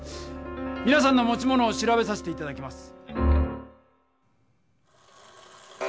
みなさんの持ち物を調べさせていただきます！